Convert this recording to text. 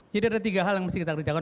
jadi ada tiga hal yang mesti kita kerjakan